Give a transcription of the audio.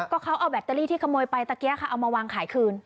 ก็เขาเอาแบตเตอรี่ที่ขโมยไปตะเกี้ค่ะเอามาวางขายคืน